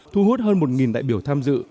thu hút hơn một đại biểu tham dự